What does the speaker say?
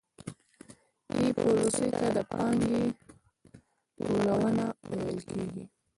دې پروسې ته د پانګې ټولونه ویل کېږي